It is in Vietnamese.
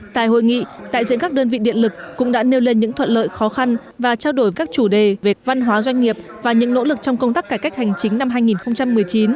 tại hội nghị đại diện các đơn vị điện lực cũng đã nêu lên những thuận lợi khó khăn và trao đổi các chủ đề về văn hóa doanh nghiệp và những nỗ lực trong công tác cải cách hành chính năm hai nghìn một mươi chín